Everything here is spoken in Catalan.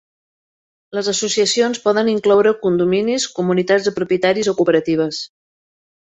Les associacions poden incloure condominis, comunitats de propietaris o cooperatives.